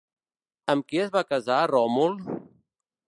Amb qui es va casar Ròmul?